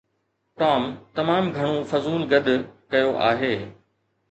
Tom تمام گهڻو فضول گڏ ڪيو آهي.